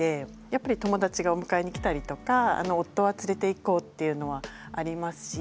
やっぱり友だちがお迎えに来たりとか夫は連れていこうっていうのはありますし。